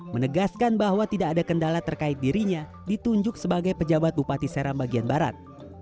menegaskan bahwa tidak ada kendala terkait dirinya ditunjuk sebagai pejabat bupati seram bagian barat